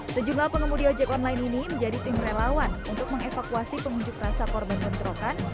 sejumlah pengemudi ojek online ini menjadi tim relawan untuk mengevakuasi pengunjuk rasa korban bentrokan